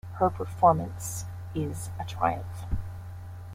Her performance is a triumph.